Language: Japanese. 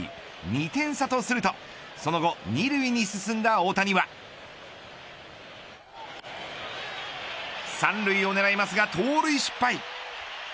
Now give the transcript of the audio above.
２点差とするとその後、２塁に進んだ大谷は３塁を狙いますが盗塁失敗。